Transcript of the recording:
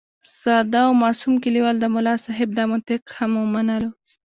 ساده او معصوم کلیوال د ملا صاحب دا منطق هم ومنلو.